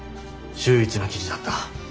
秀逸な記事だった。